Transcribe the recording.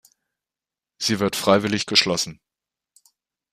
Sie wird freiwillig geschlossen.